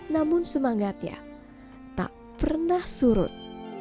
namun semangatnya tak pernah surut